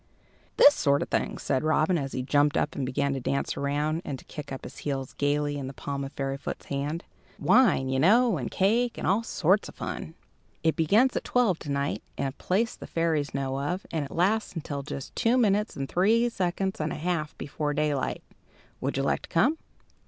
"This sort of thing," said Robin; and he jumped up and began to dance around and to kick up his heels gaily in the palm of Fairyfoot's hand. "Wine, you know, and cake, and all sorts of fun. It begins at twelve to night, in a place the fairies know of, and it lasts until just two minutes and three seconds and a half before daylight. Would you like to come?"